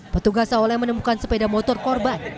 petugas seolah menemukan sepeda motor korban